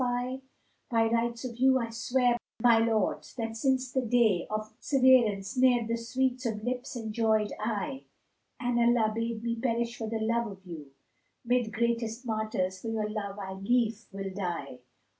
By rights of you I swear, my lords, that since the day * Of severance ne'er the sweets of lips enjoyčd I! An Allah bade me perish for the love of you, * Mid greatest martyrs for your love I lief will die.